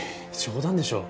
冗談でしょ？